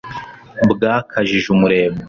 bwakajije umurego